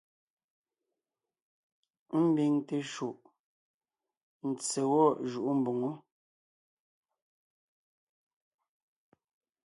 Ḿbiŋ teshúʼ, ntse gwɔ́ jʉʼó mboŋó.